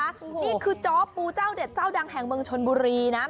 นี่คือจ้อปูเจ้าเด็ดเจ้าดังแห่งเมืองชนบุรีนะ